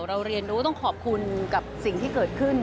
เรียนรู้ต้องขอบคุณกับสิ่งที่เกิดขึ้น